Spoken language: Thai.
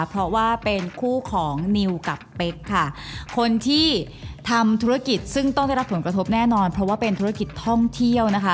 เพราะว่าเป็นคู่ของนิวกับเป๊กค่ะคนที่ทำธุรกิจซึ่งต้องได้รับผลกระทบแน่นอนเพราะว่าเป็นธุรกิจท่องเที่ยวนะคะ